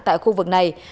tại khu vực này